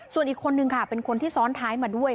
ส่วนอีกคนนึงค่ะเป็นคนที่ซ้อนท้ายมาด้วย